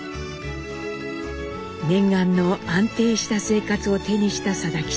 念願の安定した生活を手にした定吉。